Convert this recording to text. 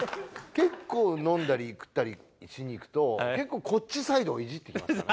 結構飲んだり食ったりしに行くと結構こっちサイドをイジって来ますから。